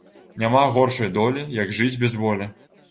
Няма горшай долі, як жыць без волі